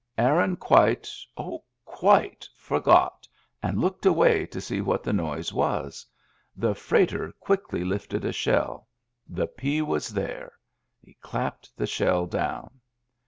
Aaron quite — oh, quite !— forgot, and looked away to see what the noise was. The freighter quickly lifted a shell. The pea was there. He clapped the shell down.